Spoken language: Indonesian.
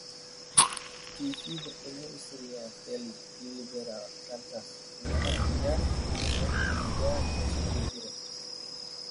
Tiffee bertemu istrinya, Kelli, di Liberal, Kansas di mana ia bermain di liga musim gugur.